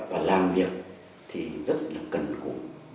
và làm việc thì rất là cần củ